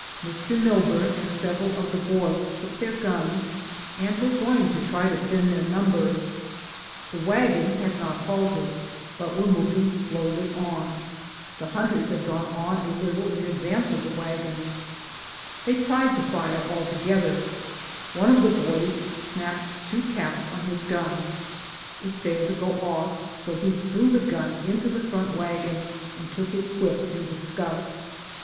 Mr. Milburn and several of the boys took their guns and were going to try to thin their number. The wagons had not halted, but were moving slowly on, the hunters had gone on a little in advance of the wagons, they tried to fire 46 DAYS ON THE ROAD. all together, one of the boys snapped two caps on his gun, it failed to go off, so he threw the gun into the front wagon, and took his whip, in disgust.